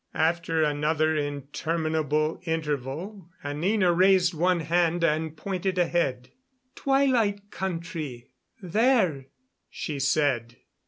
After another interminable interval Anina raised one hand and pointed ahead. "Twilight Country there," she said.